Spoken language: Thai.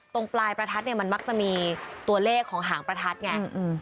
ปลายประทัดเนี่ยมันมักจะมีตัวเลขของหางประทัดไง